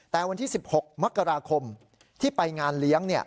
แต่วันที่๑๖มกราคมที่ไปงานเลี้ยง